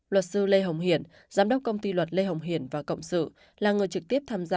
luật sư lê hồng hiển giám đốc công ty luật lê hồng hiền và cộng sự là người trực tiếp tham gia